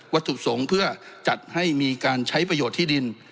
ถูกส่งเพื่อจัดให้มีการใช้ประโยชน์ที่ดิน